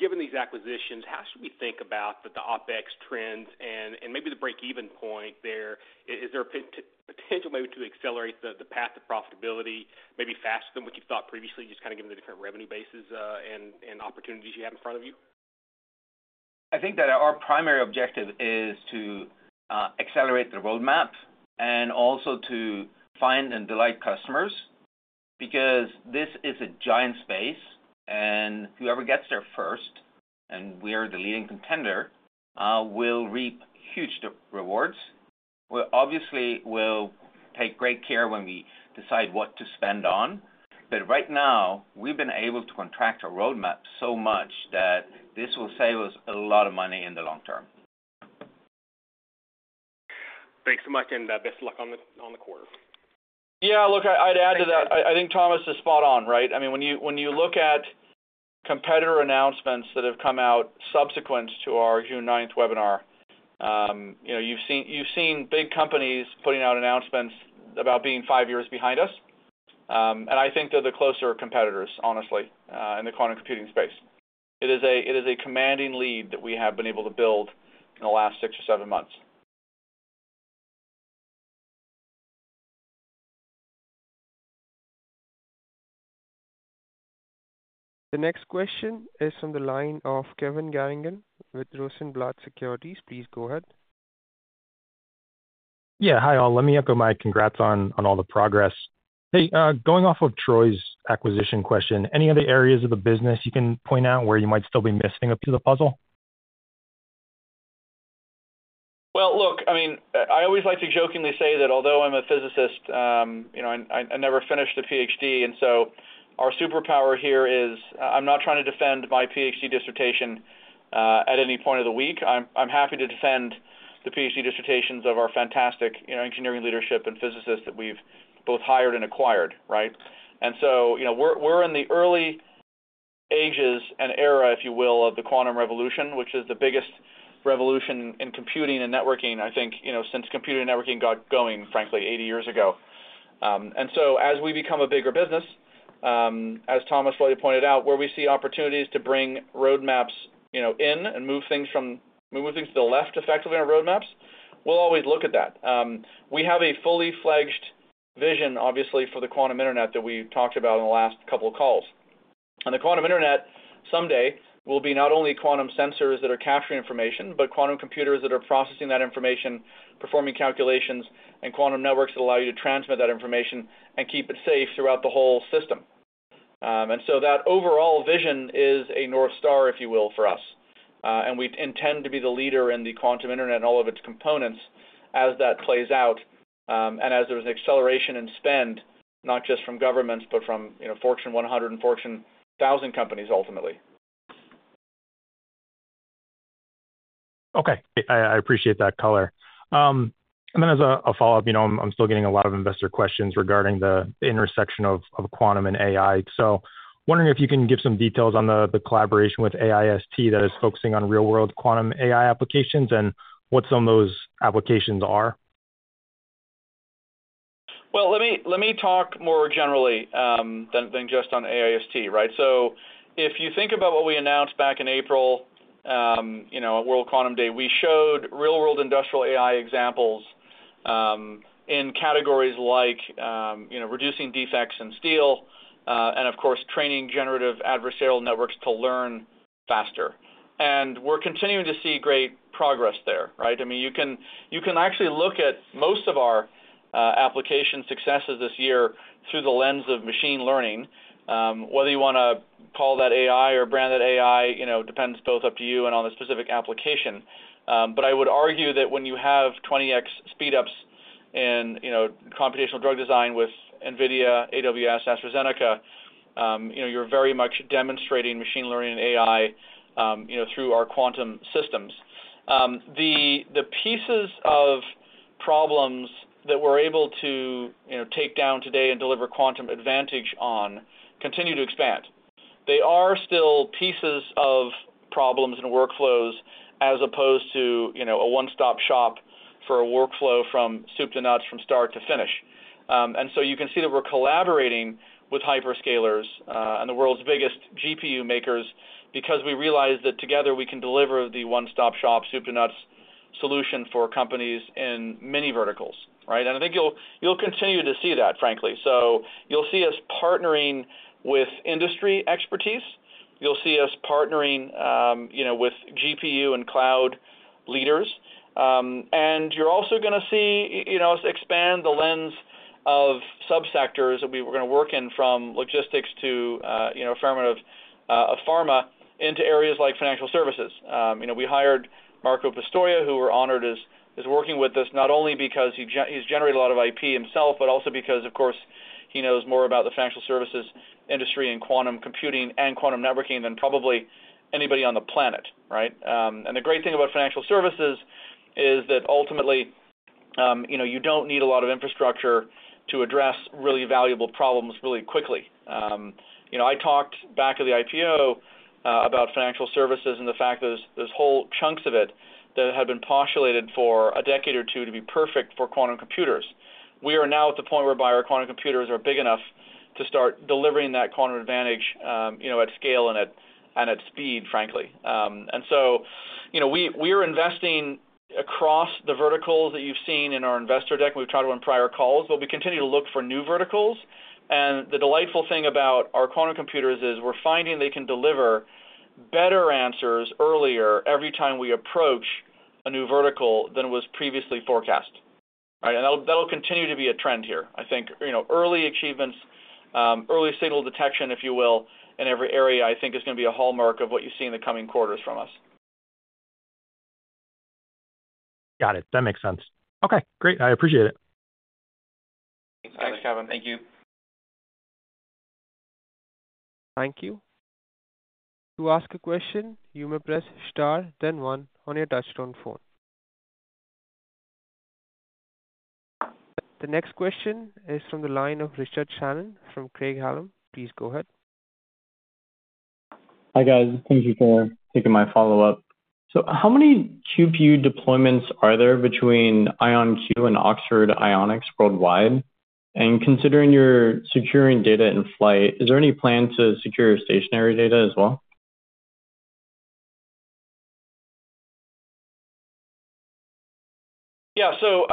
[SPEAKER 12] given these acquisitions, how should we think about the OpEx trends and maybe the break-even point there? Is there a potential to accelerate the path to profitability, maybe faster than what you've thought previously, just kind of given the different revenue bases and opportunities you have in front of you?
[SPEAKER 6] I think that our primary objective is to accelerate the roadmap and also to find and delight customers because this is a giant space and whoever gets there first, and we're the leading contender, will reap huge rewards. We obviously will take great care when we decide what to spend on, but right now we've been able to contract our roadmap so much that this will save us a lot of money in the long term.
[SPEAKER 12] Thanks so much and best of luck on the quarter.
[SPEAKER 3] Yeah, look, I'd add to that, I think Thomas is spot on. Right? I mean, when you look at competitor announcements that have come out subsequent to our June 9th webinar, you've seen big companies putting out announcements about being five years behind us. I think they're the closer competitors, honestly, in the quantum computing space, it is a commanding lead that we have been able to build in the last six or seven months.
[SPEAKER 1] The next question is from the line of Kevin Garrigan with Rosenblatt Securities. Please go ahead.
[SPEAKER 13] Yeah. Hi all. Let me echo my congrats on all the progress. Hey, going off of Troy's acquisition question, any other areas of the business you can point out where you might still be missing a piece of the puzzle.
[SPEAKER 3] Well look, I mean, I always like to jokingly say that although I'm a physicist, you know, I never finished a PhD, and so our superpower here is I'm not trying to defend my PhD dissertation at any point of the week. I'm happy to defend the PhD dissertations of our fantastic engineering leadership and physicists that we've both hired and acquired. Right. And so we're in the early ages and era, if you will, of the quantum revolution, which is the biggest revolution in computing and networking, I think, you know, since computing networking got going, frankly, 80 years ago. As we become a bigger business, as Thomas pointed out, where we see opportunities to bring roadmaps in and move things from moving to the left effectively on roadmaps, we'll always look at that. We have a fully fledged vision, obviously, for the quantum internet that we talked about in the last couple of calls. The quantum internet someday will be not only quantum sensors that are capturing information, but quantum computers that are processing that information, performing calculations, and quantum networks that allow you to transmit that information and keep it safe throughout the whole system. That overall vision is a North Star, if you will, for us. And we intend to be the leader in the quantum internet and all of its components as that plays out. There was an acceleration in spend not just from governments, but from Fortune 100 and Fortune 1,000 companies, ultimately.
[SPEAKER 13] Okay, I appreciate that. Color. As a follow up, I'm still getting a lot of investor questions regarding the intersection of quantum and AI. Wondering if you can give some details on the collaboration with AIST GQAT that is focusing on real world quantum AI applications and what some of those applications are.
[SPEAKER 3] Well let me talk more generally than just on AIST GQAT. If you think about what we announced back in April, you know, World Quantum Day, we showed real world industrial AI examples in categories like reducing defects in steel and, of course, training generative adversarial networks to learn faster. We're continuing to see great progress there. Right. You can actually look at most of our application successes this year through the lens of machine learning. Whether you want to call that AI or brand that AI depends both up to you and on the specific application. But I would argue that when you have 20x speed ups in computational drug design with Nvidia, AWS, AstraZeneca, you're very much demonstrating machine learning and AI through our quantum systems. The pieces of problems that we're able to take down today and deliver quantum advantage on continue to expand. They are still pieces of problems and workflows as opposed to a one stop shop for a workflow from soup to nuts, from start to finish. You can see that we're collaborating with Hyperscalers and the world's biggest GPU makers because we realize that together we can deliver the one stop shop, soup to nuts solution for companies in many verticals. I think you'll continue to see that, frankly. You'll see us partnering with industry expertise, you'll see us partnering with GPU and Cloud Leaders, and you're also going to see expand the lens of subsectors that we're going to work in, from logistics to a fair amount of pharma, into areas like financial services. We hired Marco Pistoia, who we're honored is working with us not only because he's generated a lot of IP himself, but also because of course he knows more about the financial services industry and quantum computing and quantum networking than probably anybody on the planet. The great thing about financial services is that ultimately you don't need a lot of infrastructure to address really valuable problems really quickly. I talked back at the IPO about financial services and the fact that there's whole chunks of it that had been postulated for a decade or two to be perfect for quantum computers. We are now at the point whereby our quantum computers are big enough to start delivering that quantum advantage at scale and at speed. Frankly, we are investing across the verticals that you've seen in our investor deck. We've tried to win prior calls, but we continue to look for new verticals. The delightful thing about our quantum computers is we're finding they can deliver better answers earlier every time we approach a new vertical than was previously forecast. That'll continue to be a trend here, I think. You know, early achievements, early signal detection, if you will, in every area, I think is going to be a hallmark of what you see in the coming quarters from us.
[SPEAKER 13] Got it. That makes sense.
[SPEAKER 3] Okay, great. I appreciate it. Thanks, Kevin.
[SPEAKER 13] Thank you.
[SPEAKER 1] Thank you. To ask a question, you may press star, then one or two on your touch-tone phone. The next question is from the line of Richard Shannon from Craig-Hallum. Please go ahead.
[SPEAKER 14] Hi guys, thank you for taking my follow-up. So how many QPU deployments are there between IonQ and Oxford Ionics worldwide? Considering you're securing data in flight, is there any plan to secure stationary data as well?
[SPEAKER 3] Yeah, so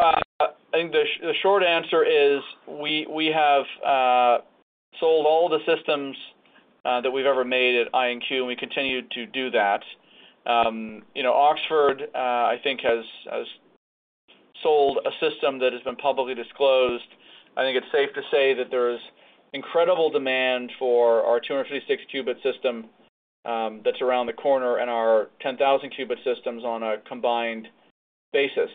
[SPEAKER 3] the short answer is we have sold all the systems that we've ever made at IonQ and we continue to do that. Oxford, I think, has sold a system that has been publicly disclosed. I think it's safe to say that there is incredible demand for our 256 qubit system that's around the corner and our 10,000 qubit systems on a combined basis.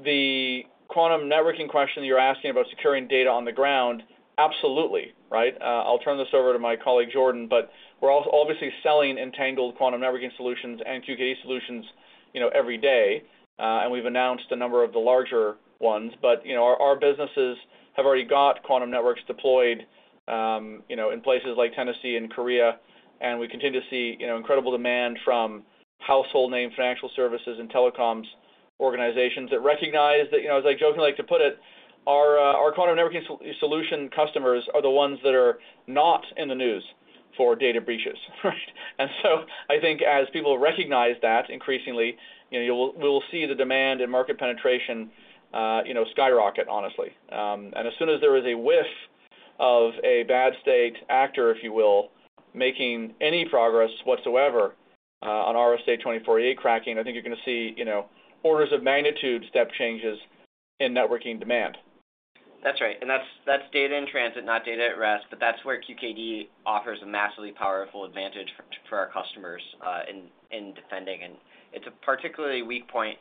[SPEAKER 3] The quantum networking question you're asking about securing data on the ground, absolutely right. I'll turn this over to my colleague Jordan. We're also obviously selling entangled quantum networking solutions and QKD solutions every day. We've announced a number of the larger ones. Our businesses have already got quantum networks deployed in places like Tennessee and Korea. We continue to see incredible demand from household name financial services and telecoms organizations that recognize that, as I jokingly like to put it, our quantum networking solution customers are the ones that are not in the news for data breaches. And so I think as people recognize that, increasingly you will see the demand and market penetration skyrocket, honestly. As soon as there is a whiff of a bad state actor, if you will, making any progress whatsoever on RSA 24 cracking, I think you're going to see orders of magnitude step changes in networking demand.
[SPEAKER 4] That's right. That's data in transit, not data at rest. QKD offers a massively powerful advantage for our customers in defending. It's a particularly weak point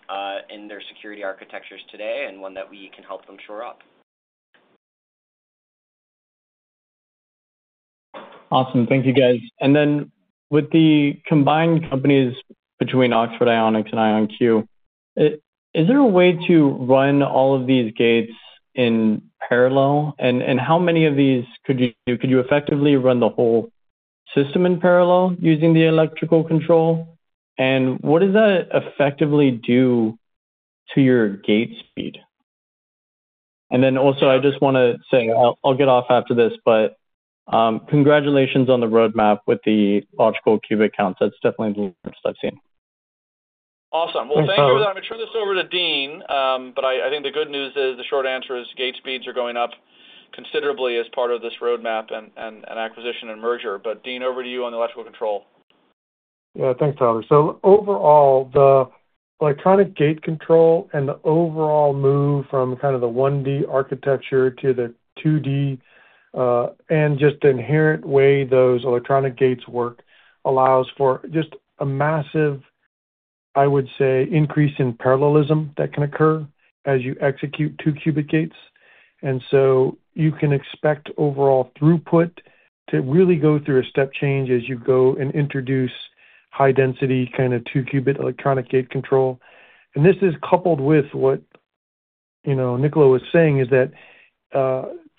[SPEAKER 4] in their security architectures today, and one that we can help them shore up. Awesome. Thank you guys. With the combined companies between Oxford Ionics and IonQ, is there a way to run all of these gates in parallel? How many of these could you do? Could you effectively run the whole system in parallel using the electrical control? What does that effectively do to your gate speed? And then also I just want to say I'll get off after this, but congratulations on the roadmap with the logical qubit counts. That's definitely the same.
[SPEAKER 3] Awesome. Thank you. I'm going to turn this over to Dean, but I think the good news is the short answer is gate speeds are going up considerably as part of this roadmap and acquisition and merger. But Dean, over to you on the electrical control.
[SPEAKER 11] Thanks, Tyler. Overall, the electronic gate control and the overall move from kind of the 1D architecture to the 2D and just inherent way those electronic gates work allows for just a massive, I would say, increase in parallelism that can occur as you execute two qubit gates. You can expect overall throughput to really go through a step change as you go and introduce high density kind of two qubit electronic gate control. This is coupled with what you. What Niccolo was saying is that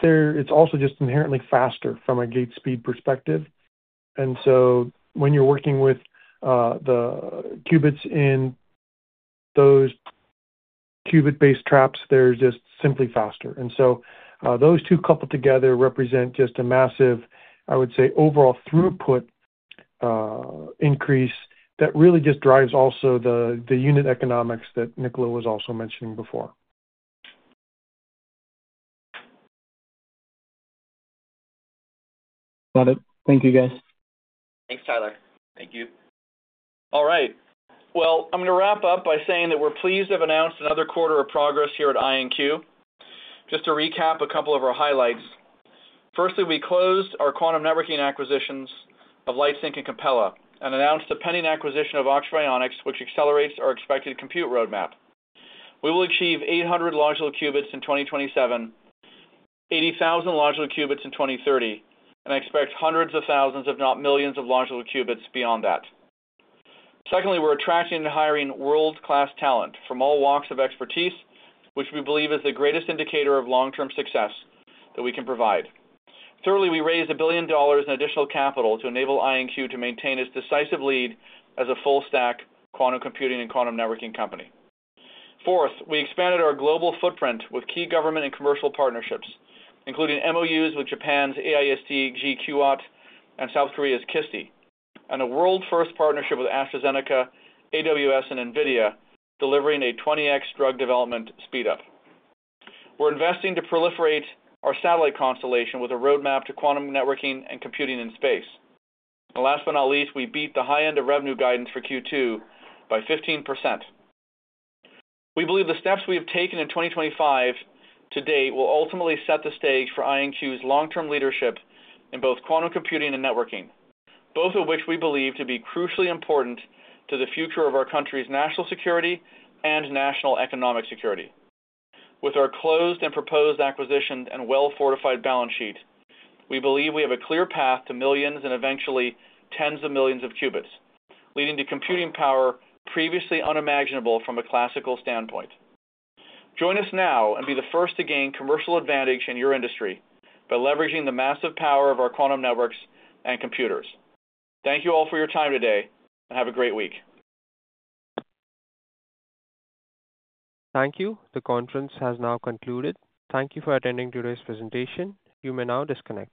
[SPEAKER 11] it's also just inherently faster from a gate speed perspective. When you're working with the qubits in those qubit-based traps, they're just simply faster. Those two coupled together represent just a massive, I would say, overall throughput increase that really just drives also the unit economics that Niccolo was also mentioning before. Got it. Thank you, guys.
[SPEAKER 4] Thanks Tyler. Thank you.
[SPEAKER 3] All right, I'm going to wrap up by saying that we're pleased to have announced another quarter of progress here at IonQ. Just to recap a couple of our highlights. Firstly, we closed our quantum networking acquisitions of LightSync and Capella and announced the pending acquisition of Oxford Ionics, which accelerates our expected compute roadmap. We will achieve 800 logical qubits in 2027, 80,000 logical qubits in 2030, and I expect hundreds of thousands, if not millions, of larger qubits beyond that. Secondly, we're attracting and hiring world-class talent from all walks of expertise, which we believe is the greatest indicator of long-term success that we can provide. Thirdly, we raised $1 billion in additional capital to enable IonQ to maintain its decisive lead as a full-stack quantum computing and quantum networking company. Fourth, we expanded our global footprint with key government and commercial partnerships, including MOUs with Japan's AIST GQAT and South Korea's KISTI, and a world-first partnership with AstraZeneca, AWS, and NVIDIA delivering a 20x drug development speed up. We're investing to proliferate our satellite constellation with a roadmap to quantum networking and computing in space. Last but not least, we beat the high end of revenue guidance for Q2 by 15%. We believe the steps we have taken in 2024 to date will ultimately set the stage for IonQ's long-term leadership in both quantum computing and networking, both of which we believe to be crucially important to the future of our country's national security and national economic security. With our closed and proposed acquisition and well-fortified balance sheet, we believe we have a clear path to millions and eventually tens of millions of qubits, leading to computing power previously unimaginable from a classical standpoint. Join us now and be the first to gain commercial advantage in your industry by leveraging the massive power of our quantum networks and computers. Thank you all for your time today, and have a great week.
[SPEAKER 1] Thank you. The conference has now concluded. Thank you for attending today's presentation. You may now disconnect.